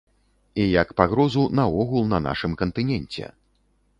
І як пагрозу наогул на нашым кантыненце!